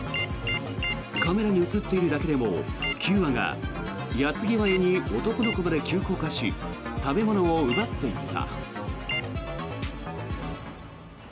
カメラに映っているだけでも９羽が矢継ぎ早に男の子まで急降下し食べ物を奪っていった。